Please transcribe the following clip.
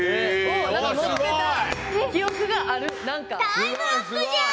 タイムアップじゃ！